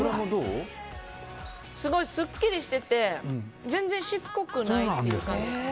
すごいすっきりしてて全然しつこくない感じです。